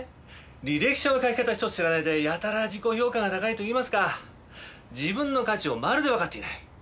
履歴書の書き方一つ知らないでやたら自己評価が高いといいますか自分の価値をまるでわかっていない。